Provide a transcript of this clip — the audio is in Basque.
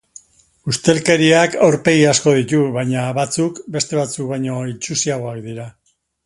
Ustelkeriak aurpegi asko ditu, baina batzuk beste batzuk baino itsusiagoak dira.